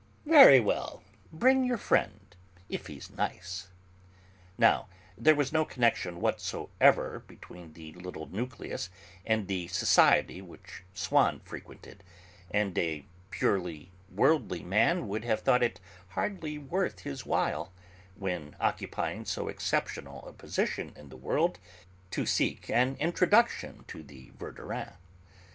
"Very well; bring your friend, if he's nice." Now there was no connection whatsoever between the 'little nucleus' and the society which Swann frequented, and a purely worldly man would have thought it hardly worth his while, when occupying so exceptional a position in the world, to seek an introduction to the Verdurins.